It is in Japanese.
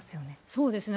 そうですね。